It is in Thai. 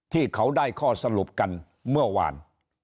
ที่เขาได้ข้อสรุปกันเมื่อวาน